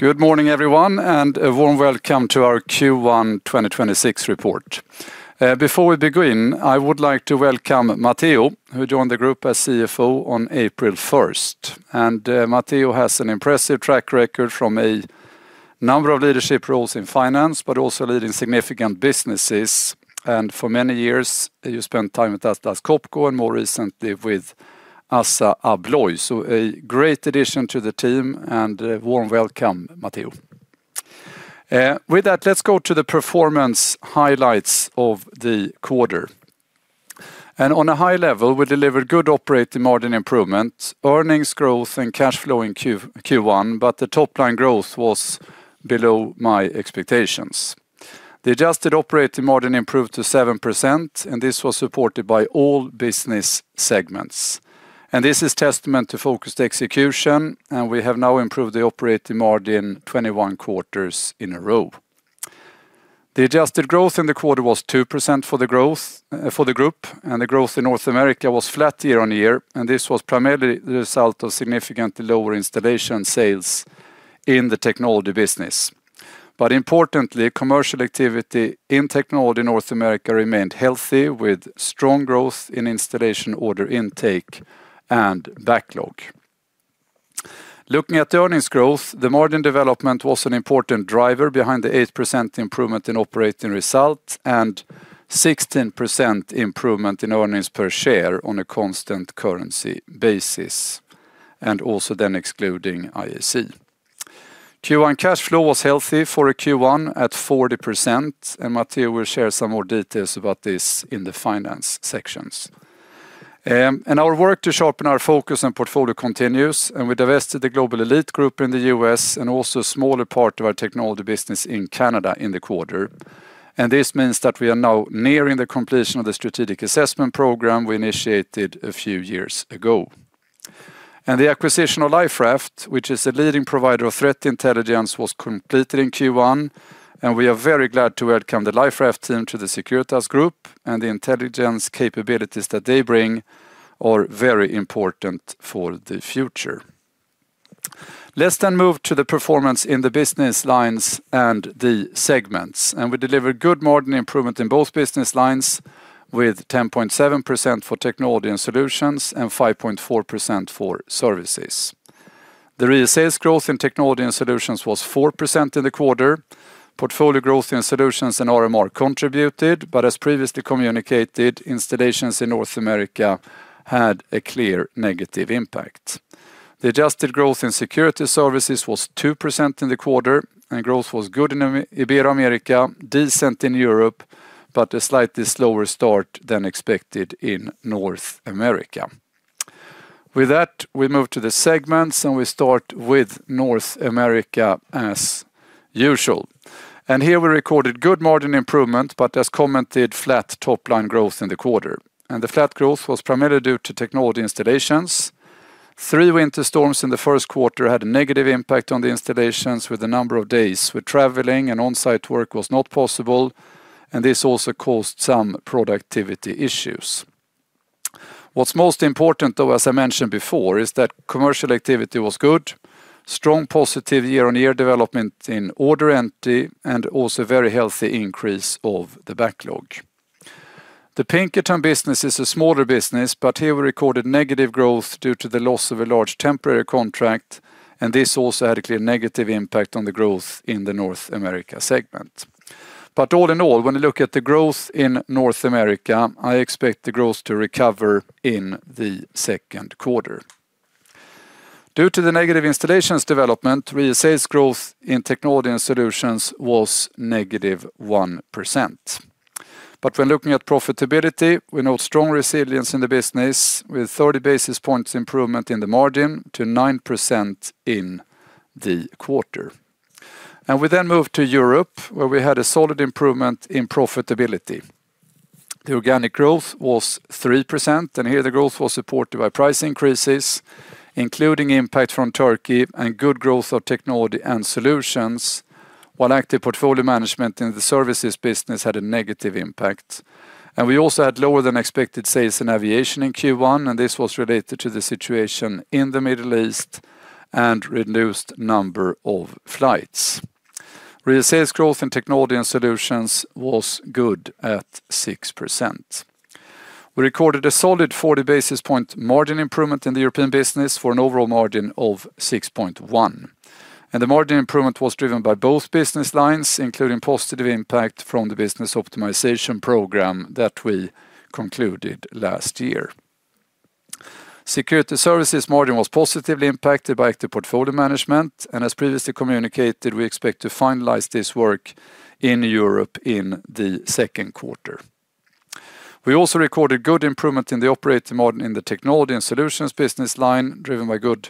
Good morning, everyone, and a warm welcome to our Q1 2026 report. Before we begin, I would like to welcome Matteo, who joined the group as CFO on April 1st. Matteo has an impressive track record from a number of leadership roles in finance, but also leading significant businesses. For many years, you spent time with Atlas Copco and more recently with ASSA ABLOY. A great addition to the team and a warm welcome, Matteo. With that, let's go to the performance highlights of the quarter. On a high level, we delivered good operating margin improvement, earnings growth and cash flow in Q1, but the top line growth was below my expectations. The adjusted operating margin improved to 7%, and this was supported by all business segments. This is testament to focused execution, and we have now improved the operating margin 21 quarters in a row. The adjusted growth in the quarter was 2% for the growth, for the group, and the growth in North America was flat year-on-year. This was primarily the result of significantly lower installation sales in the technology business. Importantly, commercial activity in technology in North America remained healthy with strong growth in installation order intake and backlog. Looking at the earnings growth, the margin development was an important driver behind the 8% improvement in operating results and 16% improvement in earnings per share on a constant currency basis, and also then excluding IAC. Q1 cash flow was healthy for a Q1 at 40%, and Matteo will share some more details about this in the finance sections. Our work to sharpen our focus and portfolio continues, and we divested the Global Elite Group in the U.S. and also a smaller part of our technology business in Canada in the quarter. This means that we are now nearing the completion of the strategic assessment program we initiated a few years ago. The acquisition of Liferaft, which is a leading provider of threat intelligence, was completed in Q1, and we are very glad to welcome the Liferaft team to the Securitas Group and the intelligence capabilities that they bring are very important for the future. Let's move to the performance in the business lines and the segments. We deliver good margin improvement in both business lines with 10.7% for Technology and Solutions and 5.4% for Services. The real sales growth in Technology and Solutions was 4% in the quarter. Portfolio growth in solutions and RMR contributed, but as previously communicated, installations in North America had a clear negative impact. The adjusted growth in security services was 2% in the quarter, and growth was good in Ibero-America, decent in Europe, but a slightly slower start than expected in North America. With that, we move to the segments, and we start with North America as usual. Here we recorded good margin improvement, but as commented, flat top line growth in the quarter. The flat growth was primarily due to technology installations. 3 winter storms in the first quarter had a negative impact on the installations, with a number of days with traveling and on-site work was not possible, and this also caused some productivity issues. What's most important, though, as I mentioned before, is that commercial activity was good, strong positive year-on-year development in order entry, and also very healthy increase of the backlog. The Pinkerton business is a smaller business, but here we recorded negative growth due to the loss of a large temporary contract, and this also had a clear negative impact on the growth in the North America segment. All in all, when you look at the growth in North America, I expect the growth to recover in the second quarter. Due to the negative installations development, real sales growth in Technology and Solutions was negative 1%. When looking at profitability, we note strong resilience in the business with 30 basis points improvement in the margin to 9% in the quarter. We then move to Europe, where we had a solid improvement in profitability. The organic growth was 3%, and here the growth was supported by price increases, including impact from Turkey and good growth of Technology and Solutions, while active portfolio management in the services business had a negative impact. We also had lower than expected sales in aviation in Q1, and this was related to the situation in the Middle East and reduced number of flights. Real sales growth in Technology and Solutions was good at 6%. We recorded a solid 40 basis points margin improvement in the European business for an overall margin of 6.1%. The margin improvement was driven by both business lines, including positive impact from the business optimization program that we concluded last year. Security services margin was positively impacted by active portfolio management, and as previously communicated, we expect to finalize this work in Europe in the second quarter. We also recorded good improvement in the operating margin in the Technology and Solutions business line, driven by good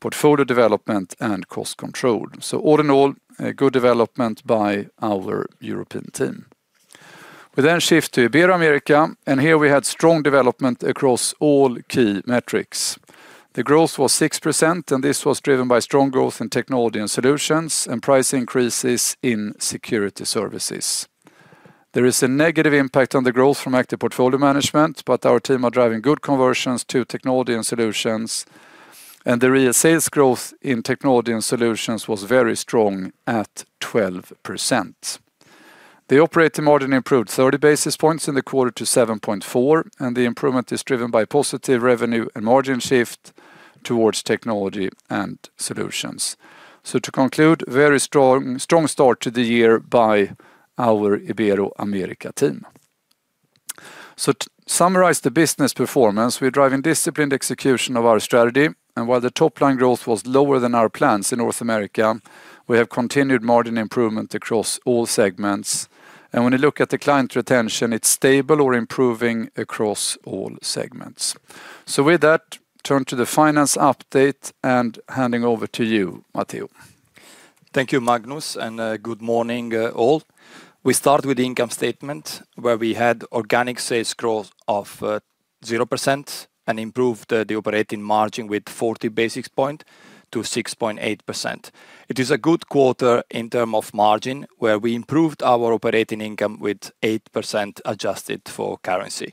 portfolio development and cost control. All in all, a good development by our European team. We shift to Ibero-America, and here we had strong development across all key metrics. The growth was 6%, and this was driven by strong growth in Technology and Solutions and price increases in security services. There is a negative impact on the growth from active portfolio management, but our team are driving good conversions to Technology and Solutions, and the real sales growth in Technology and Solutions was very strong at 12%. The operating margin improved 30 basis points in the quarter to 7.4, and the improvement is driven by positive revenue and margin shift towards Technology and Solutions. To conclude, very strong start to the year by our Ibero-America team. To summarize the business performance, we're driving disciplined execution of our strategy, and while the top line growth was lower than our plans in North America, we have continued margin improvement across all segments. When you look at the client retention, it's stable or improving across all segments. With that, turn to the finance update and handing over to you, Matteo. Thank you, Magnus, and good morning, all. We start with the income statement, where we had organic sales growth of 0% and improved the operating margin with 40 basis points to 6.8%. It is a good quarter in terms of margin, where we improved our operating income with 8% adjusted for currency.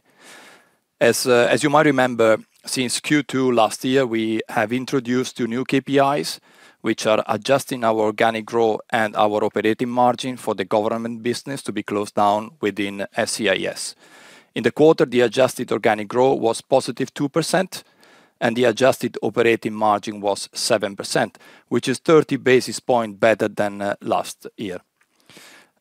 As you might remember, since Q2 last year, we have introduced 2 new KPIs, which are adjusting our organic growth and our operating margin for the government business to be closed down within SCIS. In the quarter, the adjusted organic growth was positive 2%, and the adjusted operating margin was 7%, which is 30 basis points better than last year.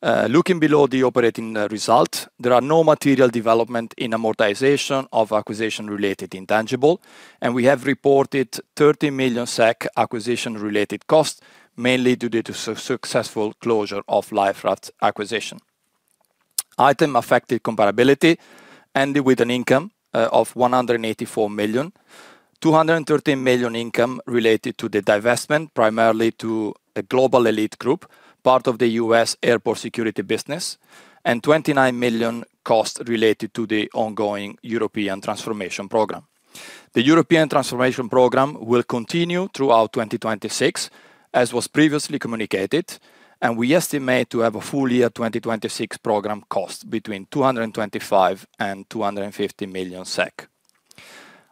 Looking below the operating result, there are no material developments in amortization of acquisition-related intangibles, and we have reported 30 million SEK acquisition-related costs, mainly due to successful closure of Liferaft acquisition. Items affecting comparability ended with an income of 184 million, 213 million income related to the divestment, primarily of Global Elite Group, part of the U.S. Airport Security business, and 29 million costs related to the ongoing European transformation program. The European transformation program will continue throughout 2026, as was previously communicated, and we estimate to have a full year 2026 program cost between 225 million and 250 million SEK.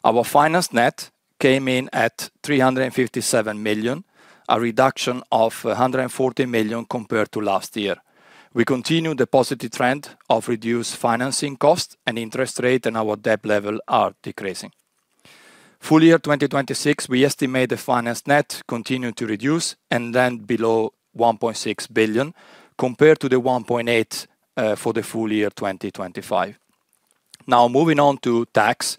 Our finance net came in at 357 million, a reduction of 140 million compared to last year. We continue the positive trend of reduced financing costs and interest rate and our debt level are decreasing. Full year 2026, we estimate the finance net continue to reduce and then below 1.6 billion compared to the 1.8 billion for the full year 2025. Now moving on to tax.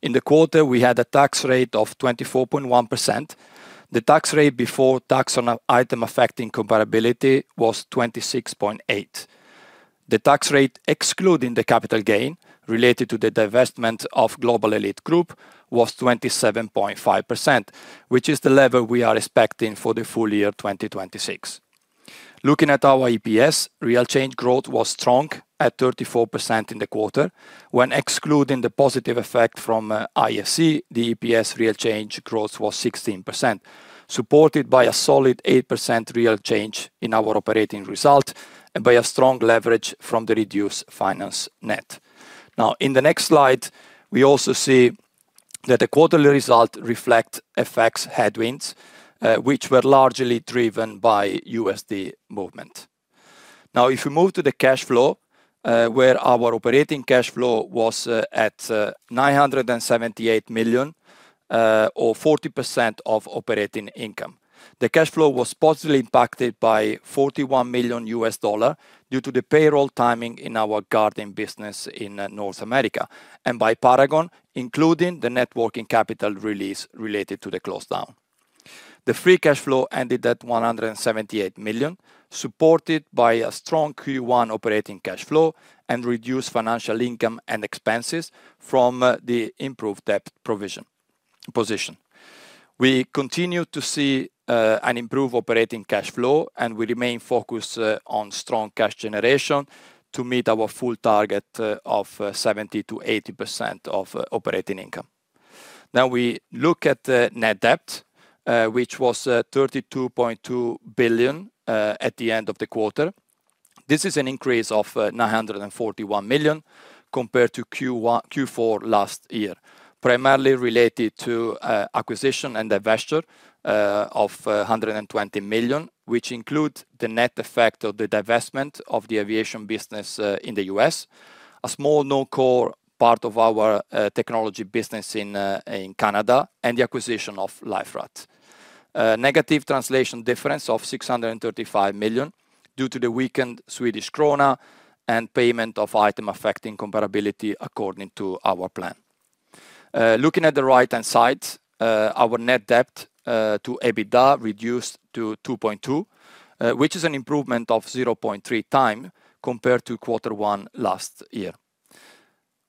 In the quarter, we had a tax rate of 24.1%. The tax rate before tax on an item affecting comparability was 26.8%. The tax rate, excluding the capital gain related to the divestment of Global Elite Group, was 27.5%, which is the level we are expecting for the full year 2026. Looking at our EPS, real change growth was strong at 34% in the quarter. When excluding the positive effect from IAC, the EPS real change growth was 16%, supported by a solid 8% real change in our operating result and by a strong leverage from the reduced financial net. In the next slide, we also see that the quarterly results reflect effects of headwinds, which were largely driven by USD movement. If you move to the cash flow, where our operating cash flow was at 978 million, or 40% of operating income. The cash flow was positively impacted by $41 million due to the payroll timing in our Guarding business in North America and by Paragon, including the net working capital release related to the close down. The free cash flow ended at 178 million, supported by a strong Q1 operating cash flow and reduced financial income and expenses from the improved debt position. We continue to see an improved operating cash flow, and we remain focused on strong cash generation to meet our full target of 70%-80% of operating income. Now, we look at the net debt, which was 32.2 billion at the end of the quarter. This is an increase of 941 million compared to Q4 last year, primarily related to acquisition and divestiture of 120 million, which includes the net effect of the divestment of the aviation business in the U.S., a small non-core part of our technology business in Canada, and the acquisition of Liferaft. Negative translation difference of 635 million due to the weakened Swedish krona and payment of items affecting comparability according to our plan. Looking at the right-hand side, our net debt to EBITDA reduced to 2.2, which is an improvement of 0.3x compared to quarter one last year.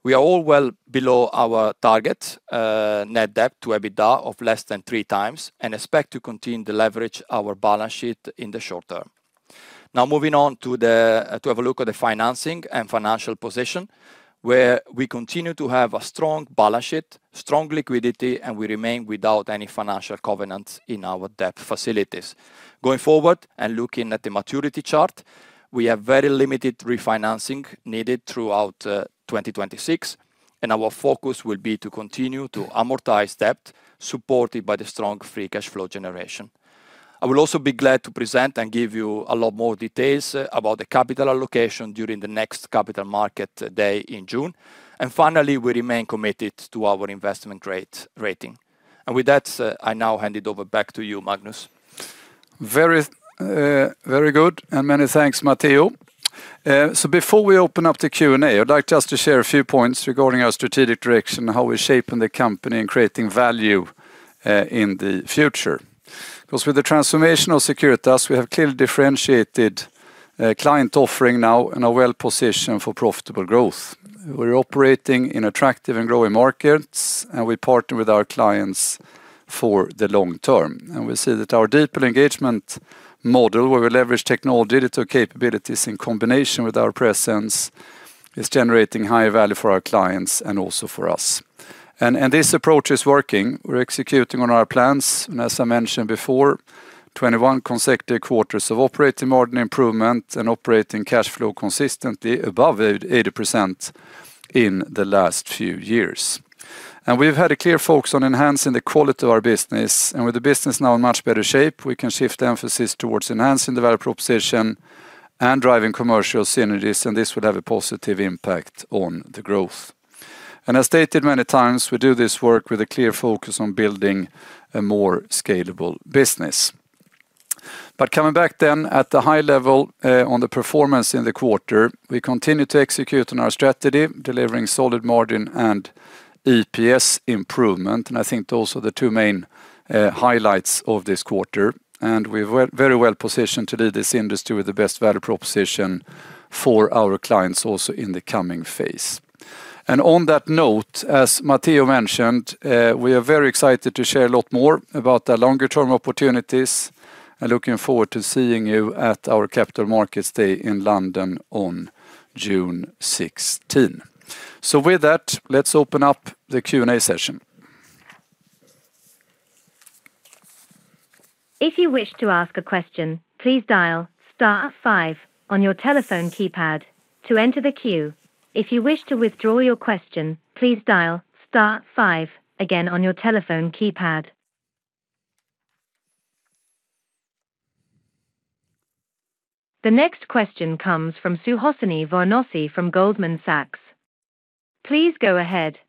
We are all well below our target, net debt to EBITDA of less than 3x and expect to continue to leverage our balance sheet in the short term. Now moving on to have a look at the financing and financial position, where we continue to have a strong balance sheet, strong liquidity, and we remain without any financial covenants in our debt facilities. Going forward and looking at the maturity chart, we have very limited refinancing needed throughout 2026. Our focus will be to continue to amortize debt supported by the strong free cash flow generation. I will also be glad to present and give you a lot more details about the capital allocation during the next Capital Markets Day in June. Finally, we remain committed to our investment rating. With that, I now hand it over back to you, Magnus. Very good, and many thanks, Matteo. Before we open up to Q&A, I'd like just to share a few points regarding our strategic direction, how we're shaping the company and creating value, in the future. Because with the transformation of Securitas, we have clearly differentiated a client offering now and are well-positioned for profitable growth. We're operating in attractive and growing markets, and we partner with our clients for the long term. We see that our deeper engagement model, where we leverage technology digital capabilities in combination with our presence, is generating high value for our clients and also for us. This approach is working. We're executing on our plans, and as I mentioned before, 21 consecutive quarters of operating margin improvement and operating cash flow consistently above 80% in the last few years. We've had a clear focus on enhancing the quality of our business. With the business now in much better shape, we can shift emphasis towards enhancing the value proposition and driving commercial synergies, and this will have a positive impact on the growth. As stated many times, we do this work with a clear focus on building a more scalable business. Coming back then at the high level, on the performance in the quarter, we continue to execute on our strategy, delivering solid margin and EPS improvement. I think those are the two main highlights of this quarter. We're very well positioned to lead this industry with the best value proposition for our clients also in the coming phase. On that note, as Matteo mentioned, we are very excited to share a lot more about the longer term opportunities. I'm looking forward to seeing you at our Capital Markets Day in London on June 16. With that, let's open up the Q&A session. If you wish to ask a question, please dial star five on your telephone keypad to enter the queue. If you wish to withdraw your question, please dial star five again on your telephone keypad. The next question comes from Suhasini Varanasi from Goldman Sachs. Please go ahead.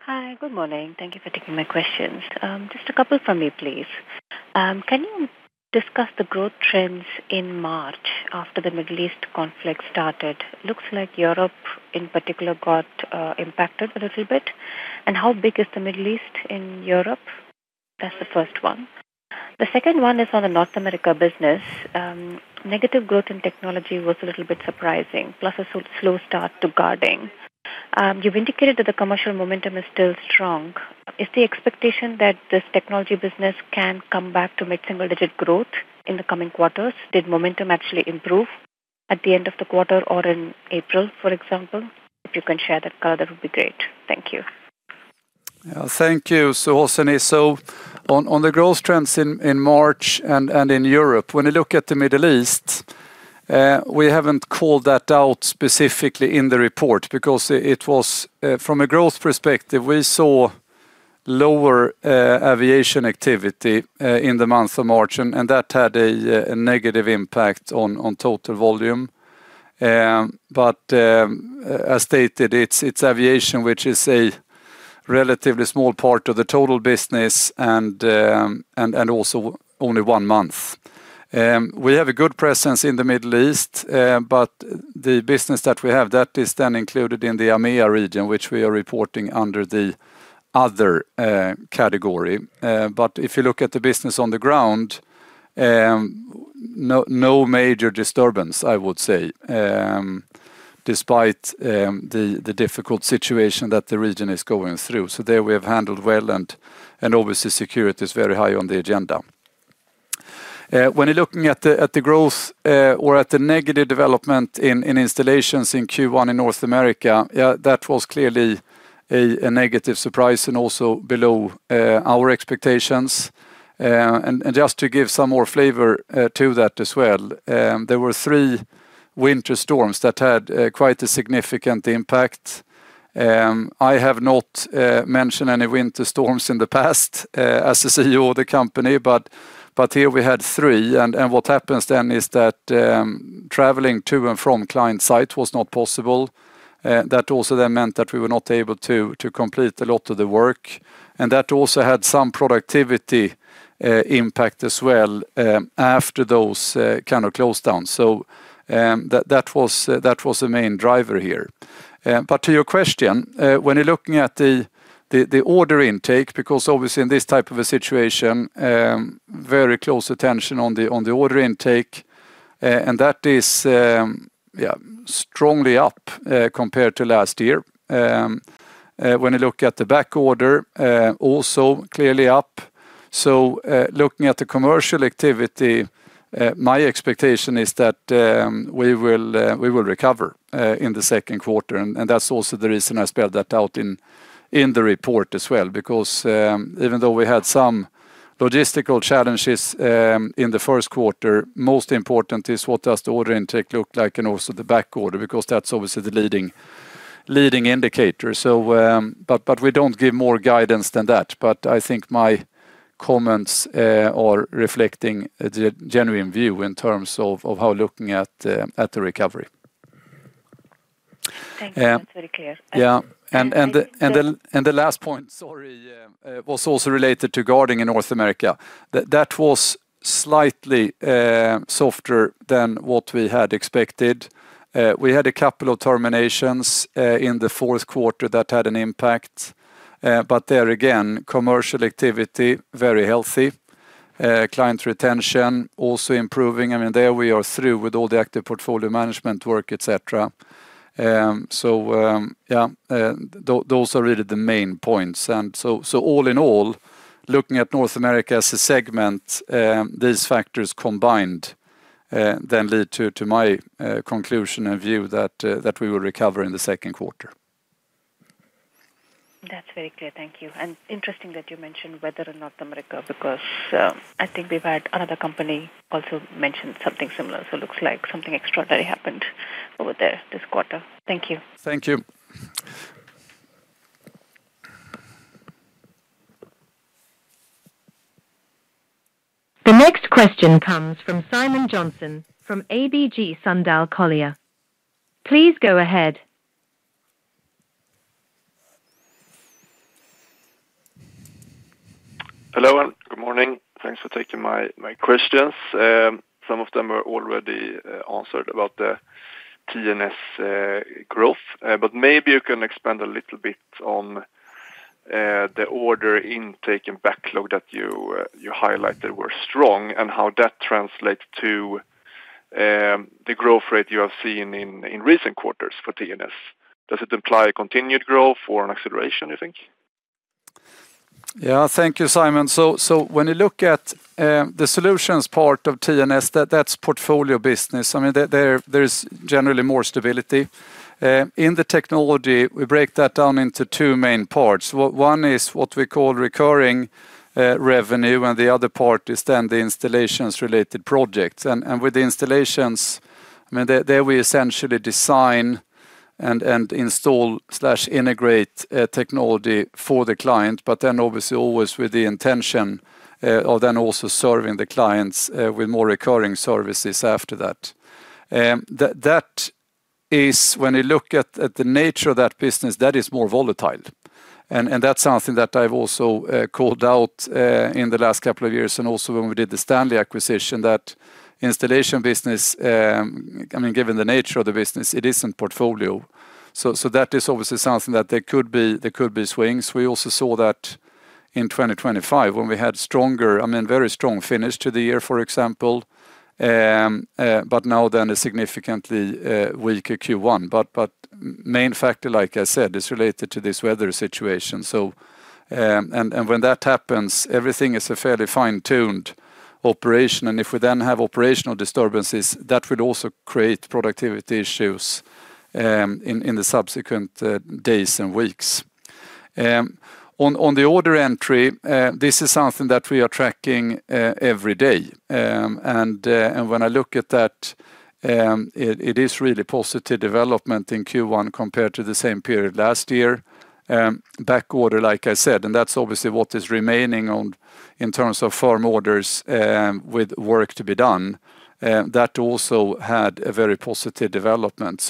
Hi. Good morning. Thank you for taking my questions. Just a couple from me, please. Can you discuss the growth trends in March after the Middle East conflict started? Looks like Europe in particular got impacted a little bit. How big is the Middle East in Europe? That's the first one. The second one is on the North America business. Negative growth in technology was a little bit surprising, plus a slow start to guarding. You've indicated that the commercial momentum is still strong. Is the expectation that this technology business can come back to mid-single-digit growth in the coming quarters? Did momentum actually improve at the end of the quarter or in April, for example? If you can share that color, that would be great. Thank you. Yeah. Thank you, Suhasini. On the growth trends in March and in Europe, when you look at the Middle East, we haven't called that out specifically in the report because from a growth perspective, we saw lower aviation activity in the month of March, and that had a negative impact on total volume. As stated, it's aviation which is a relatively small part of the total business and also only one month. We have a good presence in the Middle East, but the business that we have, that is then included in the EMEA region, which we are reporting under the other category. If you look at the business on the ground, no major disturbance, I would say, despite the difficult situation that the region is going through. There we have handled well, and obviously security is very high on the agenda. When you're looking at the growth or at the negative development in installations in Q1 in North America, yeah, that was clearly a negative surprise and also below our expectations. Just to give some more flavor to that as well, there were three winter storms that had quite a significant impact. I have not mentioned any winter storms in the past as the CEO of the company, but here we had three. What happens then is that traveling to and from client site was not possible. That also then meant that we were not able to complete a lot of the work. That also had some productivity impact as well, after those kind of closed down. That was the main driver here. To your question, when you're looking at the order intake, because obviously in this type of a situation, very close attention on the order intake, and that is, yeah, strongly up compared to last year. When you look at the back order, also clearly up. Looking at the commercial activity, my expectation is that we will recover in the second quarter. That's also the reason I spelled that out in the report as well. Even though we had some logistical challenges in the first quarter, most important is what does the order intake look like and also the back order, because that's obviously the leading indicators. We don't give more guidance than that. I think my comments are reflecting a genuine view in terms of how looking at the recovery. Thank you. That's very clear. The last point, sorry, was also related to Guarding in North America. That was slightly softer than what we had expected. We had a couple of terminations in the fourth quarter that had an impact. There again, commercial activity very healthy. Client retention also improving. I mean, there we are through with all the active portfolio management work, et cetera. So those are really the main points. All in all, looking at North America as a segment, these factors combined then lead to my conclusion and view that we will recover in the second quarter. That's very clear. Thank you. Interesting that you mentioned weather in North America because, I think we've had another company also mention something similar, so looks like something extraordinary happened over there this quarter. Thank you. Thank you. The next question comes from Simon Johnson from ABG Sundal Collier. Please go ahead. Hello, good morning. Thanks for taking my questions. Some of them are already answered about the T&S growth. But maybe you can expand a little bit on the order intake and backlog that you highlighted were strong, and how that translates to the growth rate you have seen in recent quarters for T&S. Does it imply continued growth or an acceleration, you think? Thank you, Simon. When you look at the solutions part of T&S, that's portfolio business. I mean, there is generally more stability. In the technology, we break that down into two main parts. One is what we call recurring revenue, and the other part is then the installations related projects. With the installations, I mean, there we essentially design and install/integrate technology for the client, but then obviously always with the intention of then also serving the clients with more recurring services after that. That is when you look at the nature of that business, that is more volatile. That's something that I've also called out in the last couple of years and also when we did the Stanley acquisition, that installation business. I mean, given the nature of the business, it isn't portfolio. That is obviously something that there could be swings. We also saw that in 2025 when we had stronger, I mean, very strong finish to the year, for example, now then a significantly weaker Q1. Main factor, like I said, is related to this weather situation. When that happens, everything is a fairly fine-tuned operation, and if we then have operational disturbances, that would also create productivity issues in the subsequent days and weeks. On the order entry, this is something that we are tracking every day. When I look at that, it is really positive development in Q1 compared to the same period last year. Back order, like I said, and that's obviously what is remaining on in terms of firm orders, with work to be done. That also had a very positive development.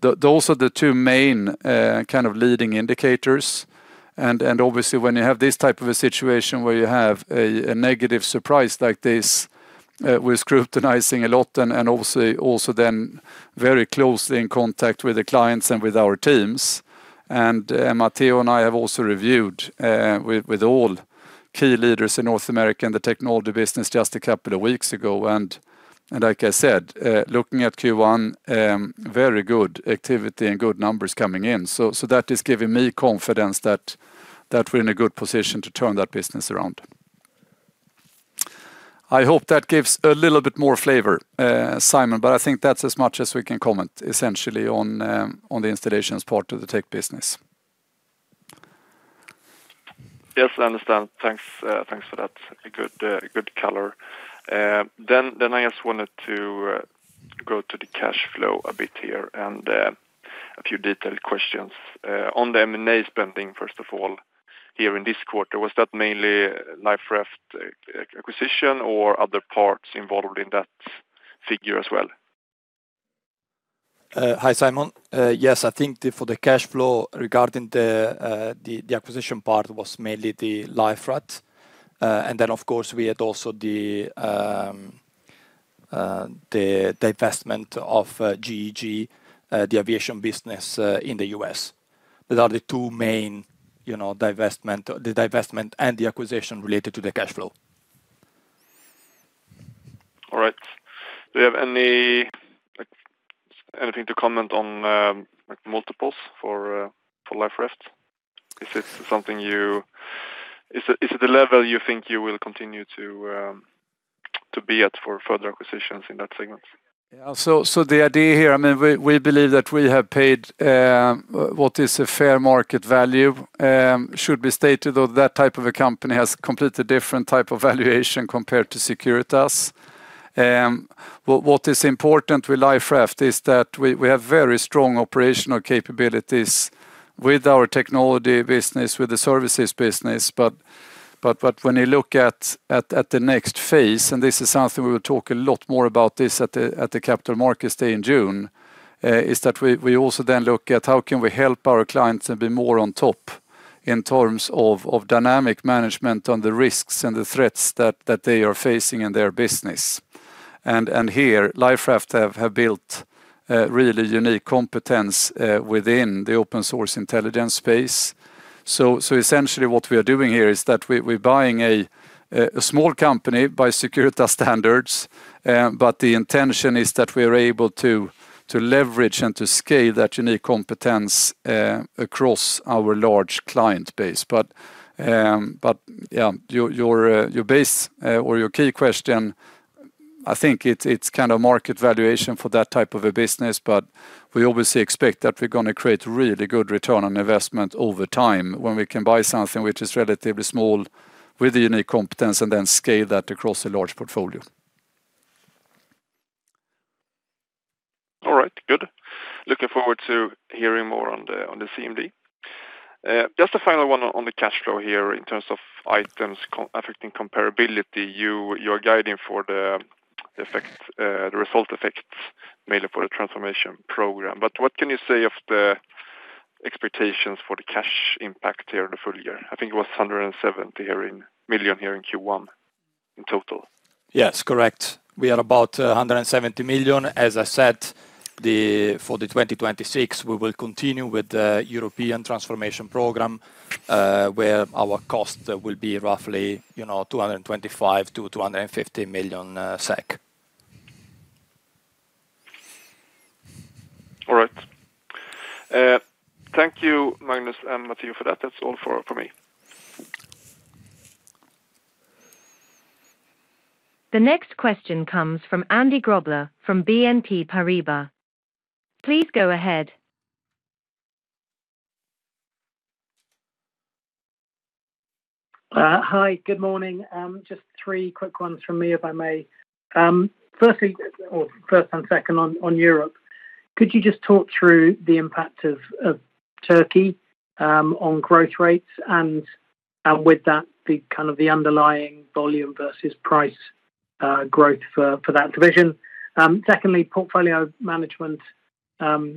Those are the two main kind of leading indicators. Obviously, when you have this type of a situation where you have a negative surprise like this, we're scrutinizing a lot and also then very closely in contact with the clients and with our teams. Matteo and I have also reviewed with all key leaders in North America in the technology business just a couple of weeks ago. Like I said, looking at Q1, very good activity and good numbers coming in. That is giving me confidence that we're in a good position to turn that business around. I hope that gives a little bit more flavor, Simon, but I think that's as much as we can comment essentially on the installations part of the tech business. Yes, I understand. Thanks for that. A good color. I just wanted to go to the cash flow a bit here, and a few detailed questions. On the M&A spending, first of all, here in this quarter, was that mainly Liferaft acquisition or other parts involved in that figure as well? Hi, Simon. Yes, I think for the cash flow regarding the acquisition part was mainly the Liferaft. Of course, we had also the divestment of GEG, the aviation business, in the U.S. Those are the two main, you know, divestment and acquisition related to the cash flow. All right. Do you have any, like, anything to comment on, like multiples for Liferaft? Is it the level you think you will continue to be at for further acquisitions in that segment? Yeah. The idea here, I mean, we believe that we have paid what is a fair market value. Should be stated, though, that type of a company has completely different type of valuation compared to Securitas. What is important with Liferaft is that we have very strong operational capabilities with our technology business, with the services business. When you look at the next phase, and this is something we will talk a lot more about this at the Capital Markets Day in June, is that we also then look at how can we help our clients and be more on top in terms of dynamic management on the risks and the threats that they are facing in their business. Here, Liferaft have built really unique competence within the open-source intelligence space. Essentially what we are doing here is that we're buying a small company by Securitas standards, but the intention is that we are able to leverage and to scale that unique competence across our large client base. Yeah, your base or your key question, I think it's kind of market valuation for that type of a business. We obviously expect that we're gonna create really good return on investment over time when we can buy something which is relatively small with a unique competence and then scale that across a large portfolio. All right. Good. Looking forward to hearing more on the CMD. Just a final one on the cash flow here in terms of Items Affecting Comparability. You're guiding for the effect, the result effects mainly for the transformation program. What can you say of the expectations for the cash impact here in the full year? I think it was 170 million here in Q1 in total. Yes. Correct. We are about 170 million. As I said, for 2026, we will continue with the European Transformation Program, where our cost will be roughly, you know, 225 million-250 million SEK. All right. Thank you, Magnus and Matteo for that. That's all for me. The next question comes from Andy Grobler from BNP Paribas. Please go ahead. Hi. Good morning. Just three quick ones from me, if I may. First and second on Europe, could you just talk through the impact of Turkey on growth rates and with that, the kind of the underlying volume versus price growth for that division? Secondly, portfolio management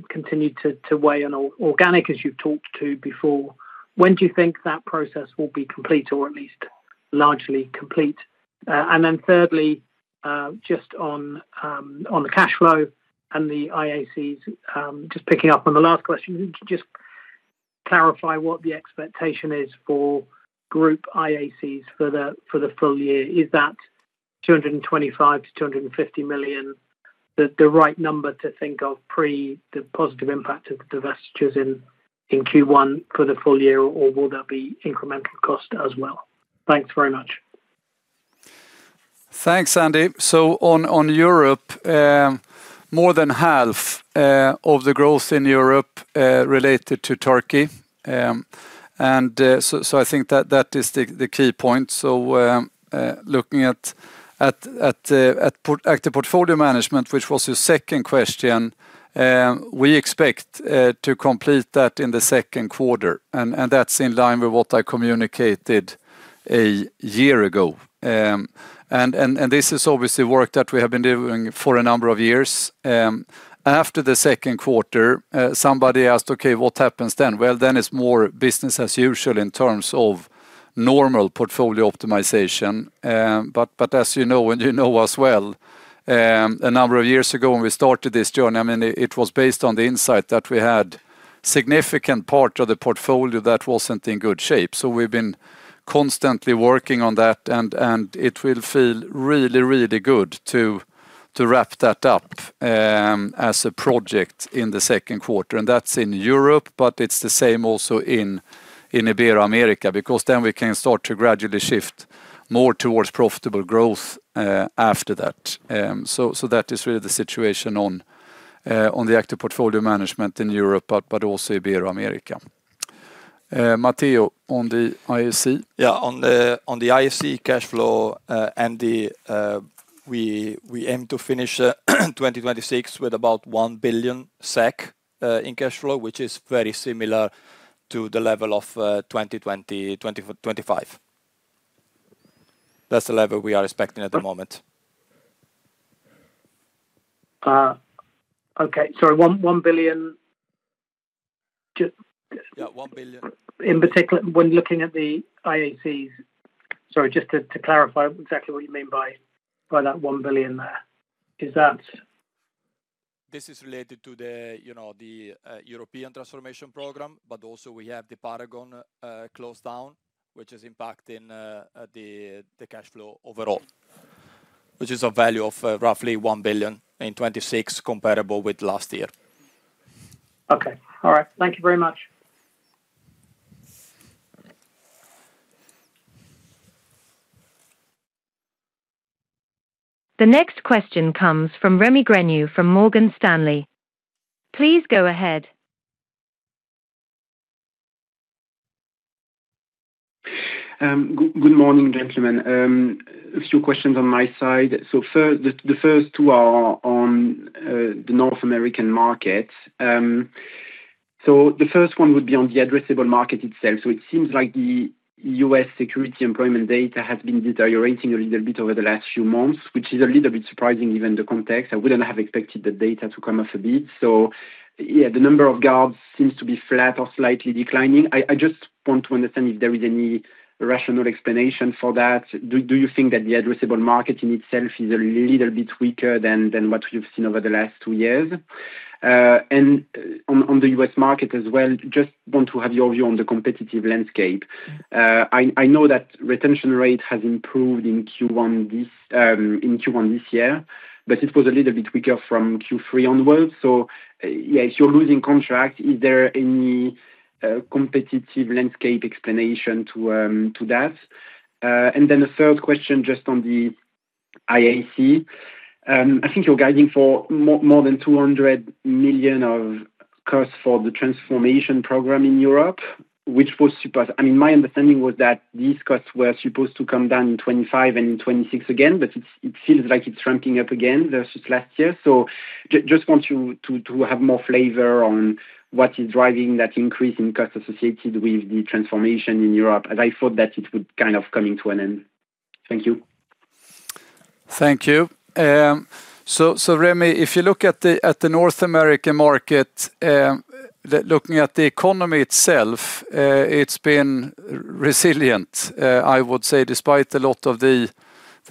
continued to weigh on organic, as you've talked to before. When do you think that process will be complete or at least largely complete? And then thirdly, just on the cash flow and the IACs, just picking up on the last question, could you just clarify what the expectation is for group IACs for the full year? Is that 225-250 million the right number to think of pre the positive impact of the divestitures in Q1 for the full year, or will there be incremental cost as well? Thanks very much. Thanks, Andy. On Europe, more than half of the growth in Europe related to Turkey. I think that is the key point. Looking at active portfolio management, which was your second question, we expect to complete that in the second quarter, and that's in line with what I communicated a year ago. This is obviously work that we have been doing for a number of years. After the second quarter, somebody asked, "Okay, what happens then?" Well, then it's more business as usual in terms of normal portfolio optimization. As you know, and you know us well, a number of years ago when we started this journey, I mean, it was based on the insight that we had significant part of the portfolio that wasn't in good shape. We've been constantly working on that, and it will feel really good to wrap that up as a project in the second quarter. That's in Europe, but it's the same also in Ibero-America because then we can start to gradually shift more towards profitable growth after that. That is really the situation on the active portfolio management in Europe, but also Ibero-America. Matteo, on the IAC? On the IAC cash flow, Andy, we aim to finish 2026 with about 1 billion SEK in cash flow, which is very similar to the level of 2025. That's the level we are expecting at the moment. Okay. Sorry, 1 billion. Yeah, 1 billion. In particular, when looking at the IACs. Sorry, just to clarify exactly what you mean by that 1 billion there. Is that? This is related to the, you know, the European transformation program, but also we have the Paragon close down, which is impacting the cash flow overall. Which is a value of roughly 1 billion in 2026 comparable with last year. Okay. All right. Thank you very much. The next question comes from Remi Grenu from Morgan Stanley. Please go ahead. Good morning, gentlemen. A few questions on my side. The first two are on the North American market. The first one would be on the addressable market itself. It seems like the U.S. security employment data has been deteriorating a little bit over the last few months, which is a little bit surprising given the context. I wouldn't have expected the data to come off a bit. The number of guards seems to be flat or slightly declining. I just want to understand if there is any rational explanation for that. Do you think that the addressable market in itself is a little bit weaker than what you've seen over the last two years? On the U.S. market as well, I just want to have your view on the competitive landscape. I know that retention rate has improved in Q1 this year, but it was a little bit weaker from Q3 onwards. Yeah, if you're losing contract, is there any competitive landscape explanation to that? The third question just on the IAC. I think you're guiding for more than 200 million of costs for the transformation program in Europe, which I mean, my understanding was that these costs were supposed to come down in 2025 and 2026 again, but it feels like it's ramping up again versus last year. Just want you to have more flavor on what is driving that increase in cost associated with the transformation in Europe, as I thought that it would kind of coming to an end. Thank you. Thank you. Remi, if you look at the North American market, looking at the economy itself, it's been resilient, I would say despite a lot of the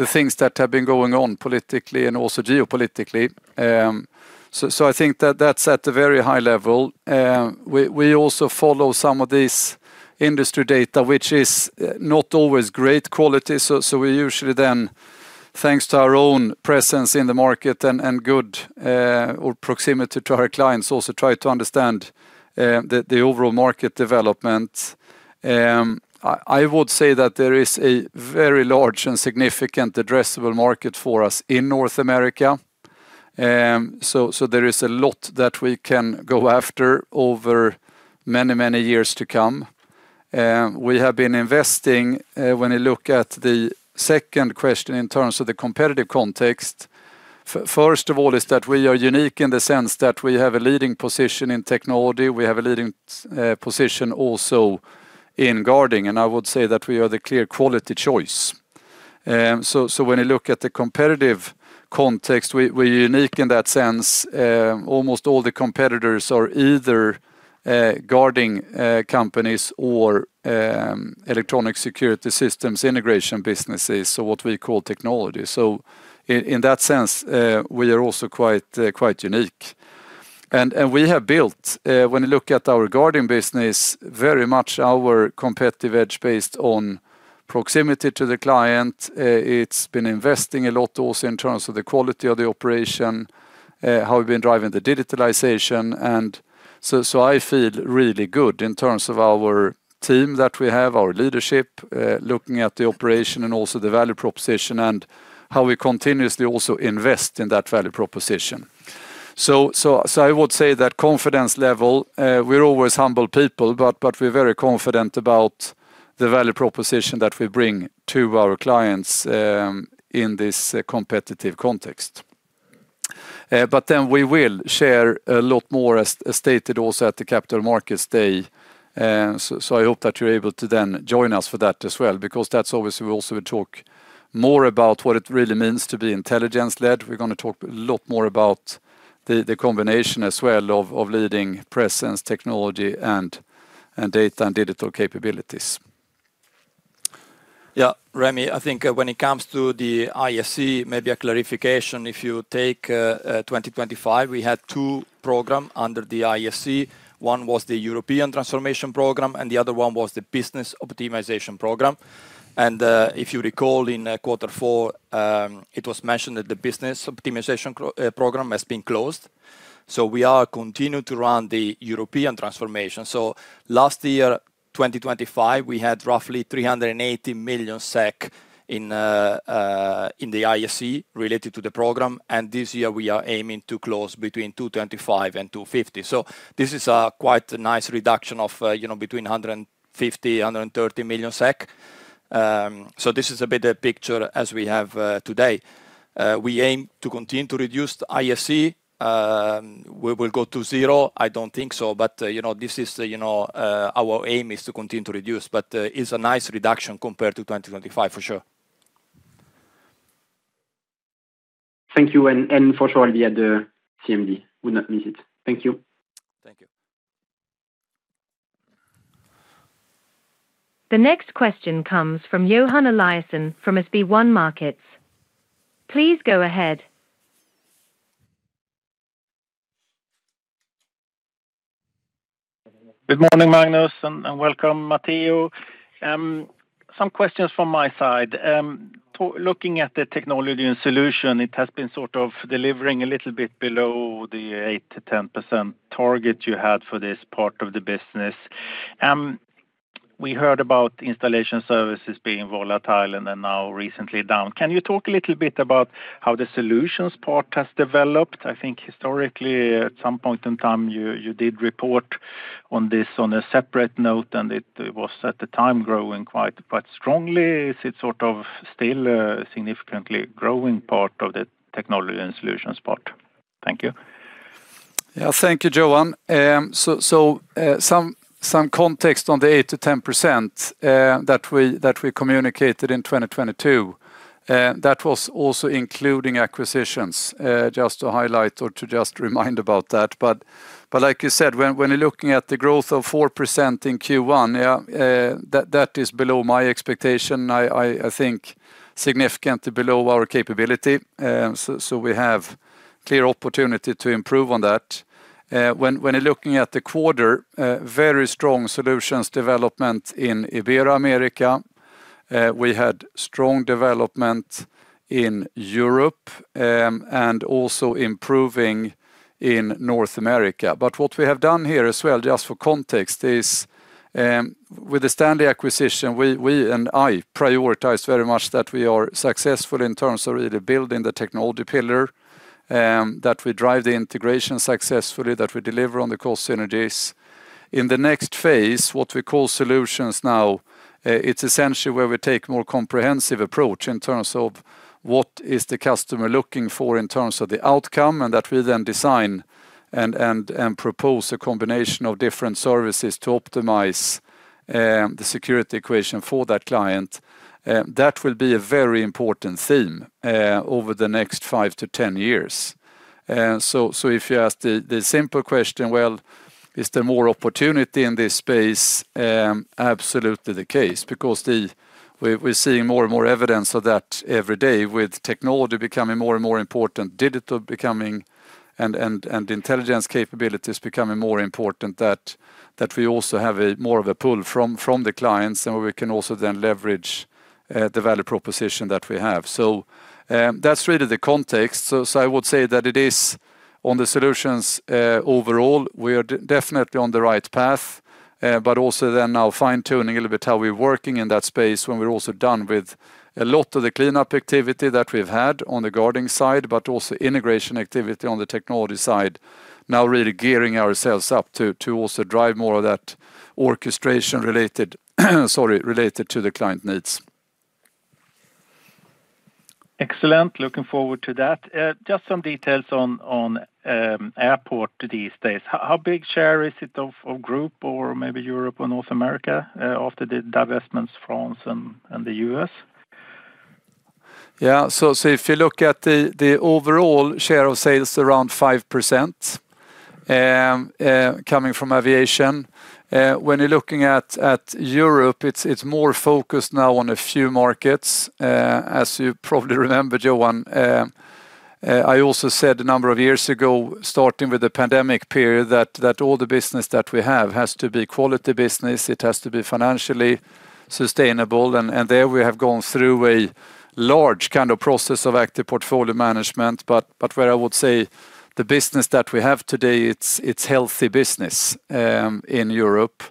things that have been going on politically and also geopolitically. I think that that's at a very high level. We also follow some of this industry data, which is not always great quality. We usually then, thanks to our own presence in the market and good or proximity to our clients, also try to understand the overall market development. I would say that there is a very large and significant addressable market for us in North America. There is a lot that we can go after over many years to come. We have been investing, when you look at the second question in terms of the competitive context. First of all, is that we are unique in the sense that we have a leading position in technology. We have a leading position also in guarding, and I would say that we are the clear quality choice. So when you look at the competitive context, we're unique in that sense. Almost all the competitors are either guarding companies or electronic security systems integration businesses, so what we call technology. In that sense, we are also quite unique. We have built, when you look at our guarding business, very much our competitive edge based on proximity to the client. It's been investing a lot also in terms of the quality of the operation, how we've been driving the digitalization. I feel really good in terms of our team that we have, our leadership, looking at the operation and also the value proposition and how we continuously also invest in that value proposition. I would say that confidence level, we're always humble people, but we're very confident about the value proposition that we bring to our clients, in this competitive context. We will share a lot more as stated also at the Capital Markets Day. I hope that you're able to then join us for that as well, because that's obviously we also will talk more about what it really means to be intelligence-led. We're gonna talk a lot more about the combination as well of leading presence, technology and data and digital capabilities. Yeah, Remi, I think when it comes to the SCIS, maybe a clarification. If you take 2025, we had two programs under the SCIS. One was the European Transformation Program, and the other one was the Business Optimization Program. If you recall in quarter four, it was mentioned that the Business Optimization Program has been closed. We are continuing to run the European Transformation Program. Last year, 2025, we had roughly 380 million SEK in the SCIS related to the program. This year we are aiming to close between 225 and 250. This is a quite nice reduction of between 150 million SEK and 130 million SEK. This is a better picture as we have today. We aim to continue to reduce the SCIS. We will go to zero, I don't think so. You know, this is, you know, our aim is to continue to reduce, but it's a nice reduction compared to 2025, for sure. Thank you. For sure I'll be at the CMD. Would not miss it. Thank you. Thank you. The next question comes from Johan Eliason from SB1 Markets. Please go ahead. Good morning, Magnus, and welcome Matteo. Some questions from my side. Looking at the Technology and Solutions, it has been sort of delivering a little bit below the 8%-10% target you had for this part of the business. We heard about installation services being volatile and then now recently down. Can you talk a little bit about how the solutions part has developed? I think historically at some point in time you did report on this on a separate note, and it was at the time growing quite strongly. Is it sort of still significantly growing part of the Technology and Solutions part? Thank you. Yeah. Thank you, Johan. Some context on the 8%-10% that we communicated in 2022, that was also including acquisitions. Just to highlight or to just remind about that. Like you said, when you're looking at the growth of 4% in Q1, yeah, that is below my expectation. I think significantly below our capability. We have clear opportunity to improve on that. When you're looking at the quarter, very strong solutions development in Ibero-America. We had strong development in Europe, and also improving in North America. What we have done here as well, just for context, is with the Stanley acquisition, we and I prioritize very much that we are successful in terms of really building the technology pillar, that we drive the integration successfully, that we deliver on the cost synergies. In the next phase, what we call solutions now, it's essentially where we take more comprehensive approach in terms of what is the customer looking for in terms of the outcome, and that we then design and propose a combination of different services to optimize the security equation for that client. That will be a very important theme over the next 5-10 years. If you ask the simple question, well, is there more opportunity in this space? Absolutely the case, because we're seeing more and more evidence of that every day with technology becoming more and more important, digital becoming and intelligence capabilities becoming more important that we also have more of a pull from the clients, and we can also then leverage the value proposition that we have. That's really the context. I would say that it is on the solutions. Overall we are definitely on the right path, but also then now fine-tuning a little bit how we're working in that space when we're also done with a lot of the cleanup activity that we've had on the guarding side, but also integration activity on the technology side. Now really gearing ourselves up to also drive more of that orchestration related to the client needs. Excellent. Looking forward to that. Just some details on airport these days. How big share is it of group or maybe Europe and North America, after the divestments France and the U.S.? Yeah. If you look at the overall share of sales, around 5% coming from aviation. When you're looking at Europe, it's more focused now on a few markets. As you probably remember, Johan, I also said a number of years ago, starting with the pandemic period, that all the business that we have has to be quality business, it has to be financially sustainable. There we have gone through a large kind of process of active portfolio management. Where I would say the business that we have today, it's healthy business in Europe.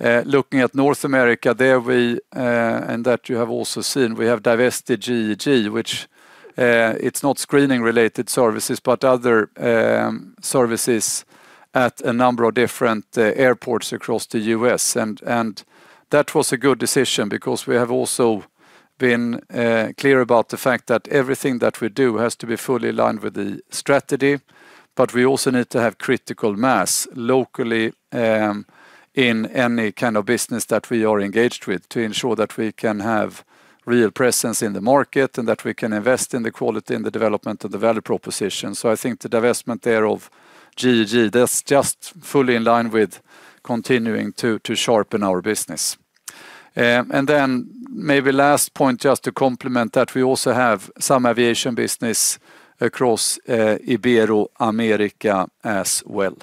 Looking at North America, and that you have also seen, we have divested GEG, which it's not screening-related services, but other services at a number of different airports across the U.S. That was a good decision because we have also been clear about the fact that everything that we do has to be fully aligned with the strategy. We also need to have critical mass locally in any kind of business that we are engaged with to ensure that we can have real presence in the market and that we can invest in the quality and the development of the value proposition. I think the divestment there of GEG, that's just fully in line with continuing to sharpen our business. Maybe last point, just to complement that we also have some aviation business across Ibero-America as well.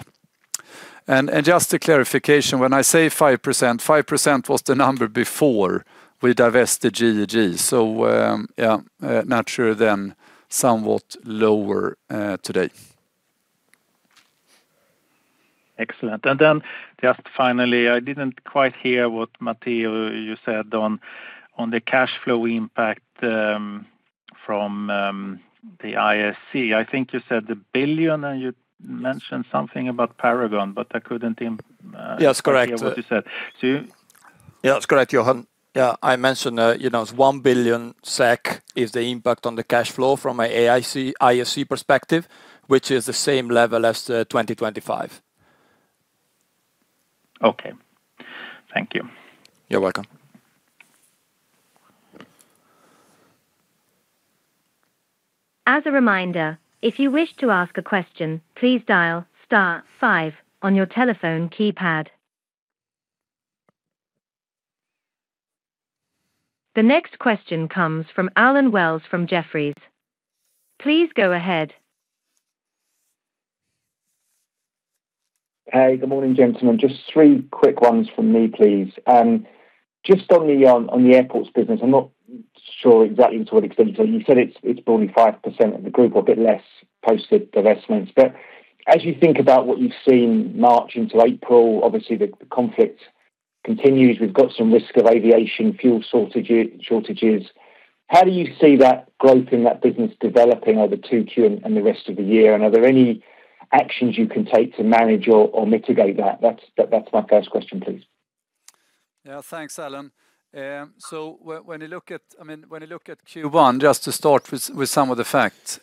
Just a clarification, when I say 5%, 5% was the number before we divested GEG. Naturally, somewhat lower today. Excellent. Then just finally, I didn't quite hear what Matteo you said on the cash flow impact from the SCIS. I think you said 1 billion, and you mentioned something about Paragon, but I couldn't im- Yes, correct. I didn't hear what you said. Yeah, that's correct, Johan. Yeah, I mentioned 1 billion SEK is the impact on the cash flow from an IAC perspective, which is the same level as 2025. Okay. Thank you. You're welcome. As a reminder, if you wish to ask a question, please dial star five on your telephone keypad. The next question comes from Allen Wells from Jefferies. Please go ahead. Hey, good morning, gentlemen. Just three quick ones from me, please. Just on the airports business, I'm not sure exactly to what extent. You said it's only 5% of the group or a bit less post divestments. As you think about what you've seen March into April, obviously the conflict continues. We've got some risk of aviation fuel shortages. How do you see that growth in that business developing over 2Q and the rest of the year? And are there any actions you can take to manage or mitigate that? That's my first question, please. Yeah. Thanks, Allen. So when you look at Q1, just to start with some of the facts.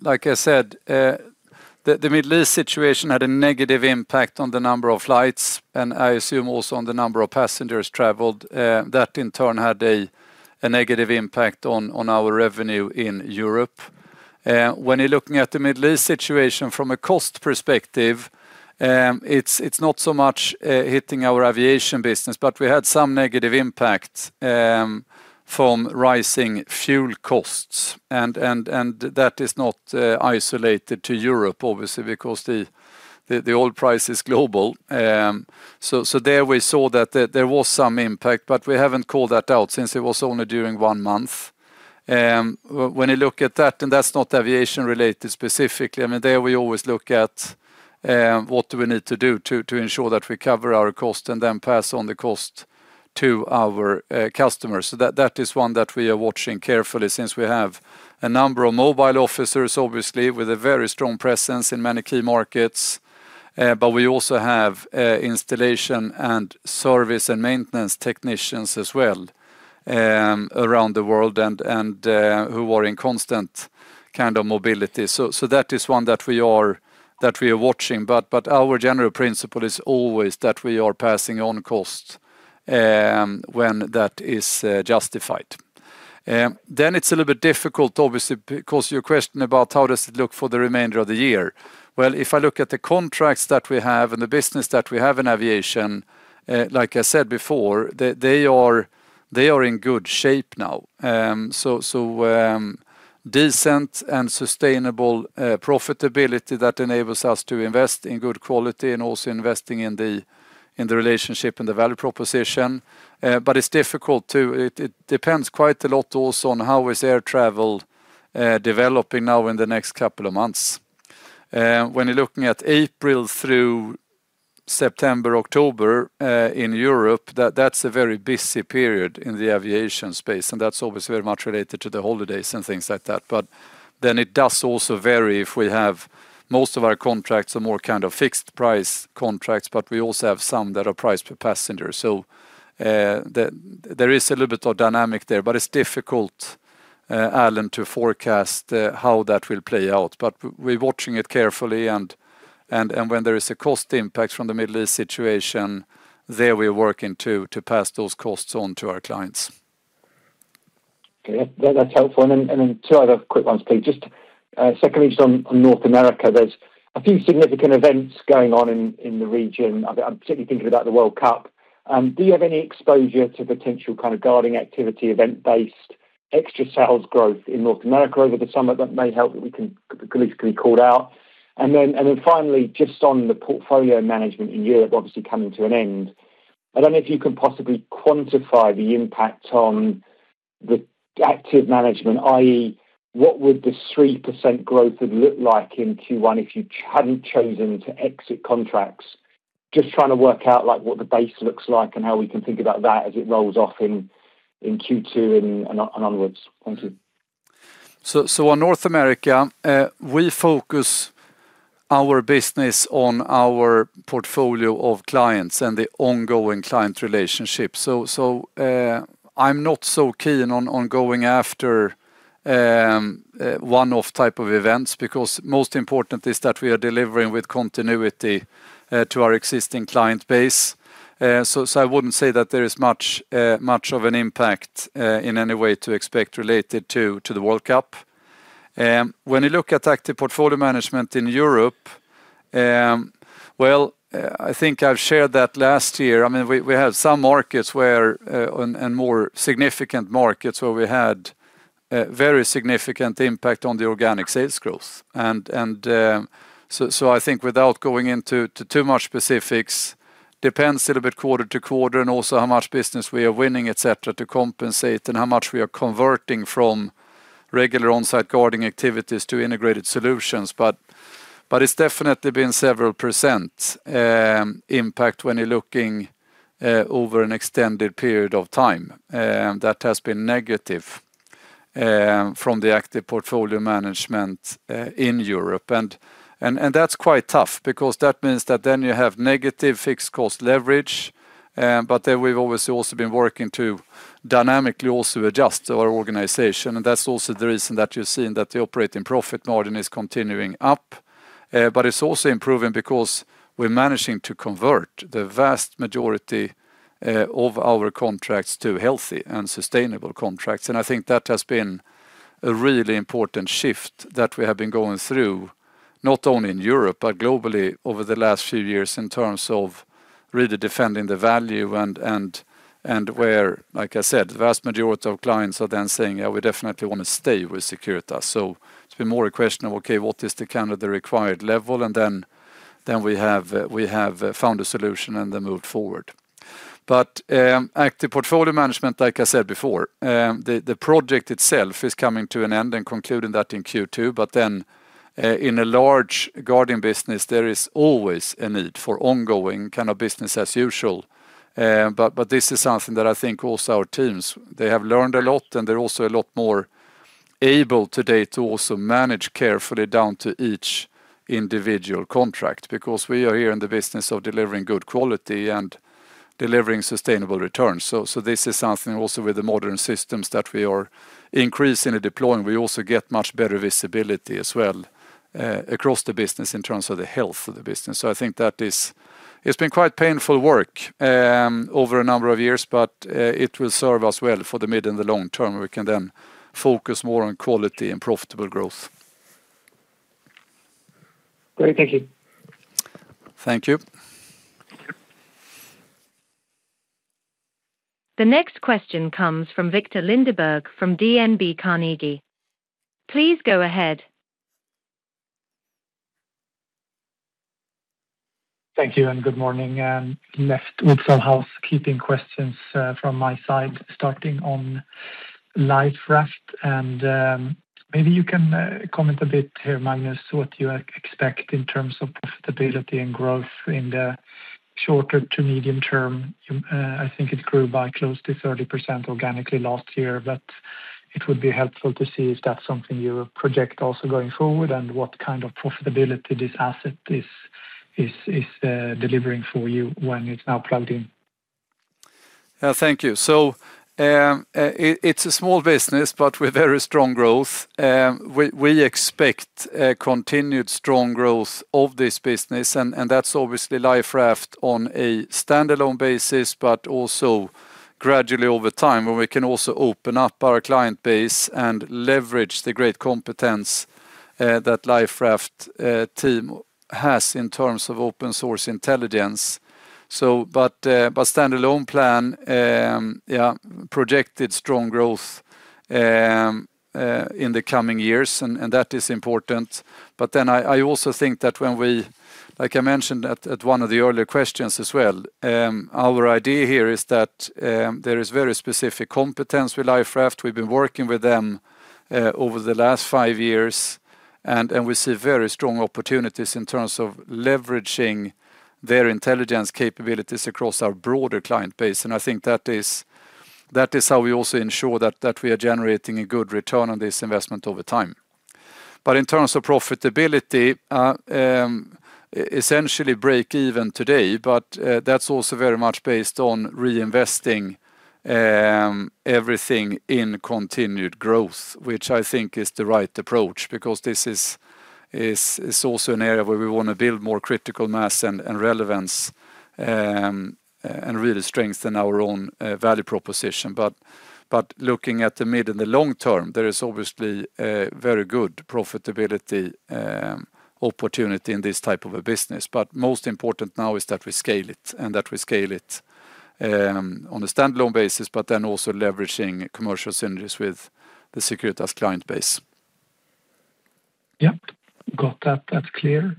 Like I said, the Middle East situation had a negative impact on the number of flights, and I assume also on the number of passengers traveled. That in turn had a negative impact on our revenue in Europe. When you're looking at the Middle East situation from a cost perspective, it's not so much hitting our aviation business, but we had some negative impact from rising fuel costs. That is not isolated to Europe obviously because the oil price is global. So there we saw that there was some impact, but we haven't called that out since it was only during one month. When you look at that, and that's not aviation related specifically. I mean, there we always look at what we need to do to ensure that we cover our cost and then pass on the cost to our customers. That is one that we are watching carefully since we have a number of mobile officers, obviously, with a very strong presence in many key markets. We also have installation and service and maintenance technicians as well around the world and who are in constant kind of mobility. That is one that we are watching. Our general principle is always that we are passing on cost when that is justified. It's a little bit difficult obviously because your question about how does it look for the remainder of the year. Well, if I look at the contracts that we have and the business that we have in aviation, like I said before, they are in good shape now. So, decent and sustainable profitability that enables us to invest in good quality and also investing in the relationship and the value proposition. It's difficult to. It depends quite a lot also on how is air travel developing now in the next couple of months. When you're looking at April through September, October, in Europe, that's a very busy period in the aviation space, and that's obviously very much related to the holidays and things like that. It does also vary if we have most of our contracts are more kind of fixed price contracts, but we also have some that are priced per passenger. There is a little bit of dynamic there, but it's difficult, Allen, to forecast how that will play out. We're watching it carefully and when there is a cost impact from the Middle East situation, there we're working to pass those costs on to our clients. Okay. Yeah. That's helpful. Two other quick ones, please. Just secondly, just on North America, there's a few significant events going on in the region. I'm particularly thinking about the World Cup. Do you have any exposure to potential kind of guarding activity, event-based extra sales growth in North America over the summer that may help that could at least be called out? Finally, just on the portfolio management in Europe obviously coming to an end. I don't know if you can possibly quantify the impact on the active management, i.e. what would the 3% growth have looked like in Q1 if you hadn't chosen to exit contracts? Just trying to work out like what the base looks like and how we can think about that as it rolls off in Q2 and onwards. Thank you. On North America, we focus our business on our portfolio of clients and the ongoing client relationship. I'm not so keen on going after one-off type of events because most important is that we are delivering with continuity to our existing client base. I wouldn't say that there is much of an impact in any way to expect related to the World Cup. When you look at active portfolio management in Europe, I think I've shared that last year. I mean, we have some markets where, and more significant markets where we had very significant impact on the organic sales growth. I think without going into too much specifics, it depends a little bit quarter to quarter and also how much business we are winning, et cetera, to compensate and how much we are converting from regular on-site guarding activities to integrated solutions. It's definitely been several% impact when you're looking over an extended period of time that has been negative from the active portfolio management in Europe. That's quite tough because that means that then you have negative fixed cost leverage. We've obviously also been working to dynamically adjust our organization, and that's also the reason that you're seeing that the operating profit margin is continuing up. It's also improving because we're managing to convert the vast majority of our contracts to healthy and sustainable contracts. I think that has been a really important shift that we have been going through, not only in Europe, but globally over the last few years in terms of really defending the value and where, like I said, the vast majority of clients are then saying, "Yeah, we definitely want to stay with Securitas." It's been more a question of, okay, what is the kind of required level? Then we have found a solution and then moved forward. Active portfolio management, like I said before, the project itself is coming to an end and concluding in Q2, but then in a large guarding business, there is always a need for ongoing kind of business as usual. This is something that I think also our teams, they have learned a lot, and they're also a lot more able today to also manage carefully down to each individual contract. Because we are here in the business of delivering good quality and delivering sustainable returns. This is something also with the modern systems that we are increasing and deploying. We also get much better visibility as well, across the business in terms of the health of the business. I think that is. It's been quite painful work over a number of years, but it will serve us well for the mid and the long term. We can then focus more on quality and profitable growth. Great. Thank you. Thank you. Thank you. The next question comes from Viktor Lindeberg from DNB Carnegie. Please go ahead. Thank you and good morning. I'm left with some housekeeping questions from my side, starting on Liferaft. Maybe you can comment a bit here, Magnus, what you expect in terms of profitability and growth in the short- to medium-term. I think it grew by close to 30% organically last year, but it would be helpful to see if that's something you project also going forward and what kind of profitability this asset is delivering for you when it's now plugged in. Yeah. Thank you. It's a small business, but with very strong growth. We expect continued strong growth of this business, and that's obviously Liferaft on a standalone basis, but also gradually over time, when we can also open up our client base and leverage the great competence that Liferaft team has in terms of open-source intelligence, but standalone plan, yeah, projected strong growth in the coming years, and that is important. I also think that like I mentioned on one of the earlier questions as well, our idea here is that there is very specific competence with Liferaft. We've been working with them over the last five years and we see very strong opportunities in terms of leveraging their intelligence capabilities across our broader client base. I think that is how we also ensure that we are generating a good return on this investment over time. In terms of profitability, essentially break even today, but that's also very much based on reinvesting everything in continued growth, which I think is the right approach because this is also an area where we wanna build more critical mass and relevance and really strengthen our own value proposition. Looking at the mid and the long term, there is obviously a very good profitability opportunity in this type of a business. Most important now is that we scale it on a standalone basis, but then also leveraging commercial synergies with the Securitas client base. Yeah. Got that. That's clear.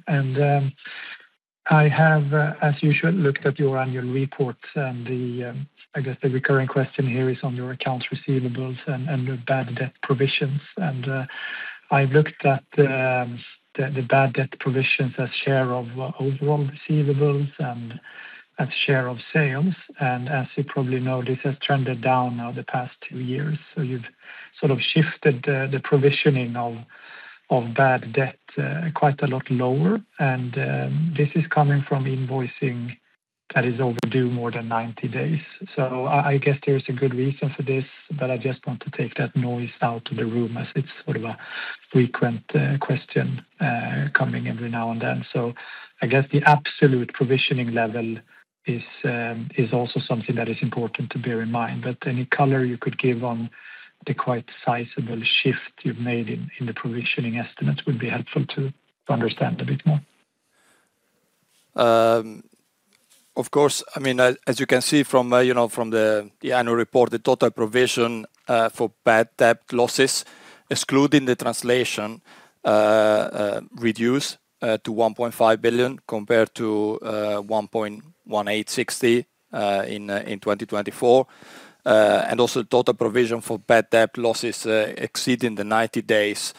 I have, as usual, looked at your annual report, and the, I guess, the recurring question here is on your accounts receivables and your bad debt provisions. I've looked at the bad debt provisions as a share of overall receivables and as a share of sales. As you probably know, this has trended down now the past two years. You've sort of shifted the provisioning of bad debt quite a lot lower. This is coming from invoicing that is overdue more than 90 days. I guess there's a good reason for this, but I just want to take that noise out of the room as it's sort of a frequent question coming every now and then. I guess the absolute provisioning level is also something that is important to bear in mind. Any color you could give on the quite sizable shift you've made in the provisioning estimates would be helpful to understand a bit more. Of course. I mean, as you can see from, you know, from the annual report, the total provision for bad debt losses, excluding the translation, reduced to 1.5 billion compared to 1.186 in 2024. Also total provision for bad debt losses exceeding 90 days,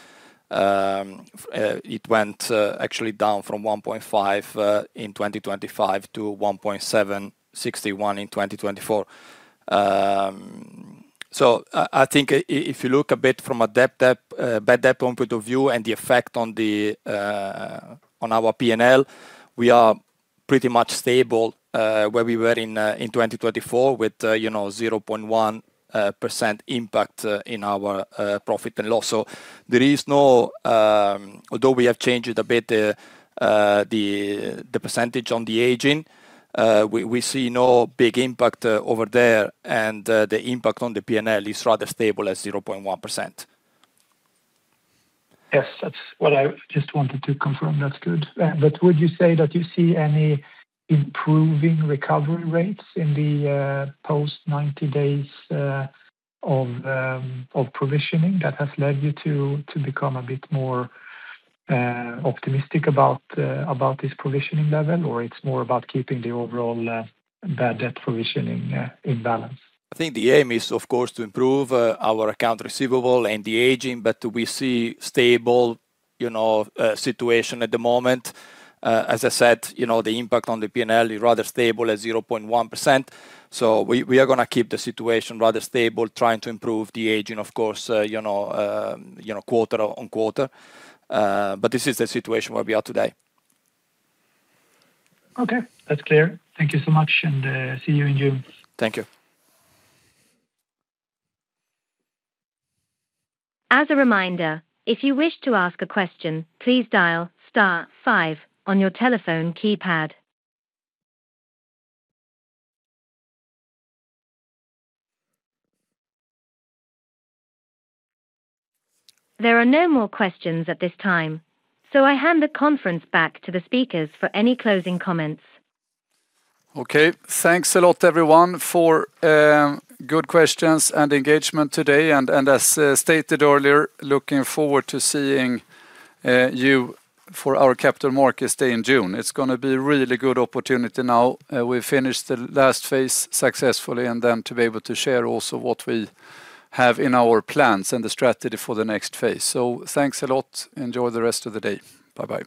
it went actually down from 1.5 in 2025 to 1.761 in 2024. So I think if you look a bit from a bad debt point of view and the effect on our P&L, we are pretty much stable where we were in 2024 with, you know, 0.1% impact in our profit and loss. Although we have changed it a bit, the percentage on the aging, we see no big impact over there. The impact on the P&L is rather stable at 0.1%. Yes. That's what I just wanted to confirm. That's good. Would you say that you see any improving recovery rates in the post-90 days of provisioning that has led you to become a bit more optimistic about this provisioning level, or it's more about keeping the overall bad debt provisioning in balance? I think the aim is, of course, to improve our accounts receivable and the aging, but we see stable, you know, situation at the moment. As I said, you know, the impact on the P&L is rather stable at 0.1%. We are gonna keep the situation rather stable, trying to improve the aging, of course, quarter on quarter. But this is the situation where we are today. Okay. That's clear. Thank you so much, and see you in June. Thank you. As a reminder, if you wish to ask a question, please dial star five on your telephone keypad. There are no more questions at this time, so I hand the conference back to the speakers for any closing comments. Okay. Thanks a lot, everyone, for good questions and engagement today. As stated earlier, looking forward to seeing you for our Capital Markets Day in June. It's gonna be a really good opportunity now we finish the last phase successfully, and then to be able to share also what we have in our plans and the strategy for the next phase. Thanks a lot. Enjoy the rest of the day. Bye-bye.